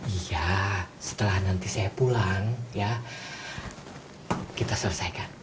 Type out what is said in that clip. iya setelah nanti saya pulang ya kita selesaikan